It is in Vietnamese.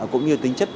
cũng như tính chất